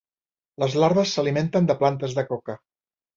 Les larves s'alimenten de plantes de coca.